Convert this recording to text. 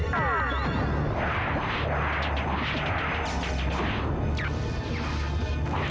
jangan berdiri juma